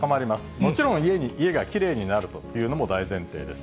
もちろん家がきれいになるというのも大前提です。